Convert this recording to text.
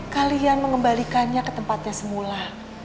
kalian mengembalikannya ke tempatnya semula